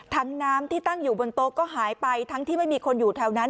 น้ำที่ตั้งอยู่บนโต๊ะก็หายไปทั้งที่ไม่มีคนอยู่แถวนั้น